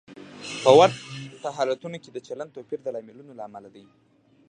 په ورته حالتونو کې د چلند توپیر د لاملونو له امله دی.